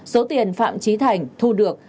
số tiền phạm trí thành thu được